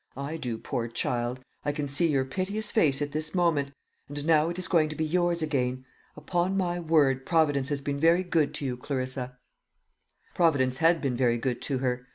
I do, poor child; I can see your piteous face at this moment. And now it is going to be yours again. Upon my word, Providence has been very good to you, Clarissa." Providence had been very good to her.